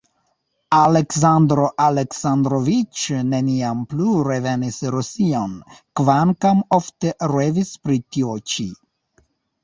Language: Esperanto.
Aleksandro Aleksandroviĉ neniam plu revenis Rusion, kvankam ofte revis pri tio ĉi.